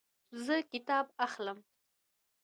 زه کتاب اخلم